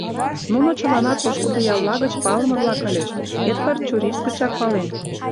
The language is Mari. Нуно чыланат пошкудо ялла гыч палыме-влак ыльыч; Эдвард чурийышт гычак пален.